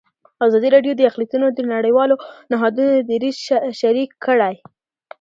ازادي راډیو د اقلیتونه د نړیوالو نهادونو دریځ شریک کړی.